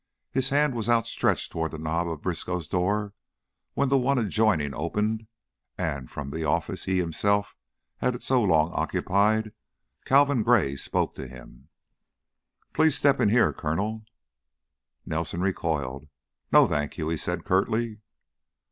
His hand was outstretched toward the knob of Briskow's door, when the one adjoining opened and, from the office he himself had so long occupied, Calvin Gray spoke to him. "Please step in here, Colonel." Nelson recoiled. "No, thank you!" he said, curtly.